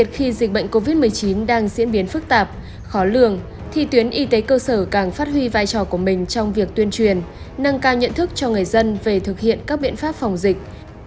khi dịch bệnh covid một mươi chín đang diễn biến phức tạp khó lường thì tuyến y tế cơ sở càng phát huy vai trò của mình trong việc tuyên truyền nâng cao nhận thức cho người dân về thực hiện các biện pháp phòng dịch